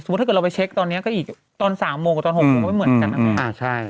สมมุติถ้าเกิดเราไปเช็คตอนนี้ก็อีกตอน๓โมงกว่าตอน๖โมงไม่เหมือนกันนะครับ